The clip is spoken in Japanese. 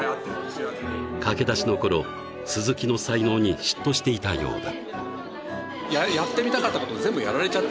知らずに駆け出しの頃鈴木の才能に嫉妬していたようだ